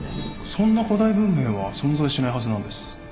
そんな古代文明は存在しないはずなんです